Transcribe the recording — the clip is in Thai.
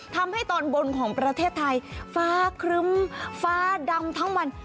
ทำให้ตอนบนของประเทศไทยฟ้าครึ้มฟ้าดำทั้งวัน